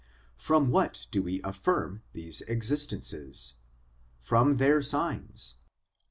From what do we affirm these existences ? From their signs.